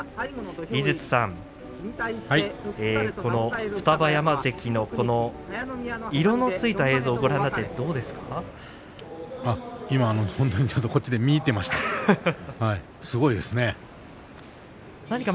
井筒さんこの双葉山関の色のついた映像ご覧になってどうですか。